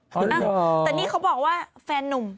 แต่นี่เขาบอกว่าแฟนนุ่ม